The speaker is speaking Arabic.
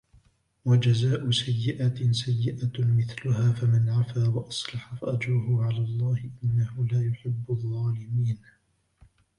وَجَزَاءُ سَيِّئَةٍ سَيِّئَةٌ مِثْلُهَا فَمَنْ عَفَا وَأَصْلَحَ فَأَجْرُهُ عَلَى اللَّهِ إِنَّهُ لَا يُحِبُّ الظَّالِمِينَ